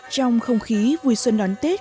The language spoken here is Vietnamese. trong không khí vui xuân đón tết